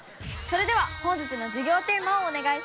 それでは本日の授業テーマをお願いします。